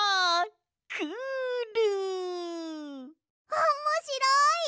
おもしろい！